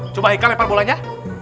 coba ika lepar bolanya